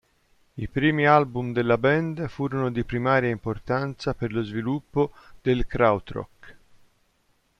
I primi album della band furono di primaria importanza per lo sviluppo del krautrock.